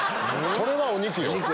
それはお肉よ。